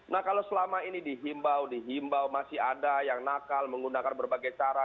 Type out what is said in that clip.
nah kalau selama ini dihimbau dihimbau masih ada yang nakal menggunakan berbagai cara